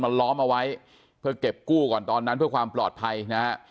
ล้อมเอาไว้เพื่อเก็บกู้ก่อนตอนนั้นเพื่อความปลอดภัยนะฮะ